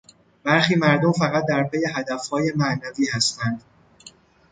برخی مردم فقط در پی هدفهای معنوی هستند.